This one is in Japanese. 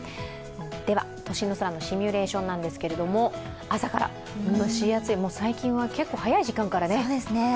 では、都心の空のシミュレーションなんですけど朝から蒸し暑い、最近は結構早い時間からね。